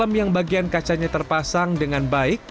lem yang bagian kacanya terpasang dengan baik